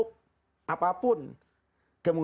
al quran itu kan pasti menjelaskan